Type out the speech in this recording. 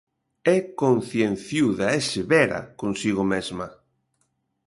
É concienciuda e severa consigo mesma.